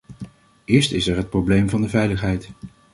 Eerst is er het probleem van de veiligheid.